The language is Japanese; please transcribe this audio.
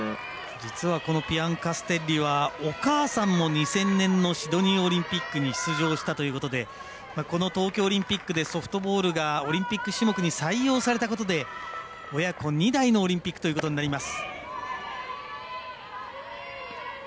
実はこのピアンカステッリはお母さんも２０００年のシドニーオリンピックに出場したということでこの東京オリンピックでソフトボールがオリンピック種目に採用されたことで親子２代のオリンピックとなります。